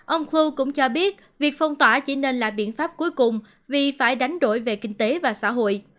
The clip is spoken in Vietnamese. ông khu cũng cho biết việc phong tỏa chỉ nên là biện pháp cuối cùng vì phải đánh đổi về kinh tế và xã hội